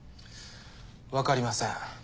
わかりません。